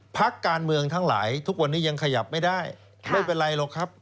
พักการเมืองทั้งหลายทุกวันนี้ยังขยับไม่ได้ไม่เป็นไรหรอกครับ